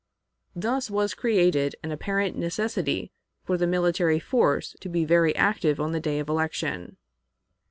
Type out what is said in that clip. Thus was created an apparent necessity for the military force to be very active on the day of election.